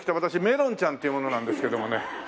めろんちゃんっていう者なんですけどもね。